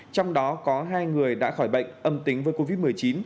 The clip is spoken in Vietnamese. trong đó có hai người đã khỏi bệnh âm tính với covid một mươi chín